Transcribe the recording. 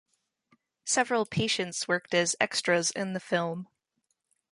Several patients worked as extras in the film.